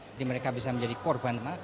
jadi mereka bisa menjadi korban